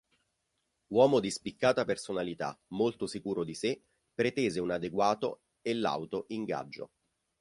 Uomo di spiccata personalità, molto sicuro di sé, pretese un adeguato e lauto ingaggio.